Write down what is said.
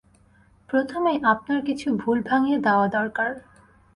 প্রথমেই আপনার কিছু ভুল ভাঙিয়ে দেওয়া দরকার।